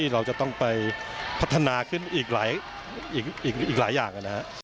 เราจะต้องไปพัฒนาขึ้นอีกหลายอย่างนะครับ